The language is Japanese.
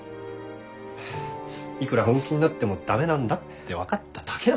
いくら本気になっても駄目なんだって分かっただけなんだよ。